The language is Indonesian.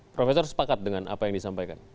profesor sepakat dengan apa yang disampaikan